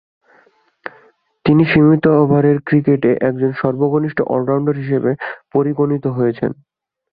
তিনি সীমিত ওভারের ক্রিকেটে একজন সর্বশ্রেষ্ঠ অল-রাউন্ডার হিসেবে পরিগণিত হয়ে আছেন।